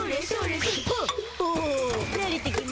おおなれてきま